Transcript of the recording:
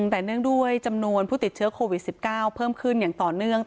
แต่เนื่องด้วยจำนวนผู้ติดเชื้อโควิด๑๙เพิ่มขึ้นอย่างต่อเนื่อง